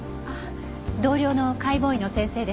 同僚の解剖医の先生ですか？